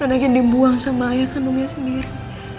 anaknya dibuang sama ayah kandungnya sendiri